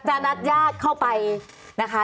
จะนัดยากเข้าไปนะคะ